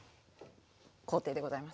工程でございます。